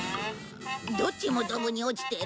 どっちもドブに落ちてる。